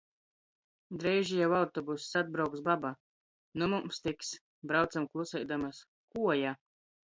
Dreiži jau autobuss, atbrauks baba. Nu mums tiks! Braucom kluseidamys. Kuoja!